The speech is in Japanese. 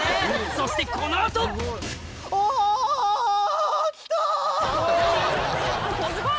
そしてこの後すごい！